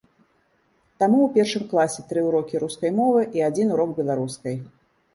Таму у першым класе тры ўрокі рускай мовы, і адзін урок беларускай.